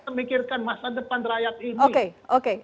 kita mikirkan masa depan rakyat ini